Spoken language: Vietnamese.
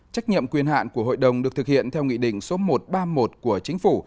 trách nhiệm quyền hạn của hội đồng được thực hiện theo nghị định số một trăm ba mươi một của chính phủ